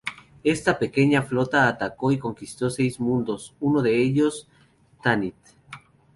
Esta pequeña flota atacó y conquistó seis mundos, uno de ellos Tanith.